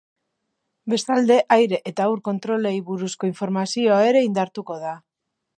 Bestalde, aire eta ur kontrolei buruzko informazioa ere indartuko da.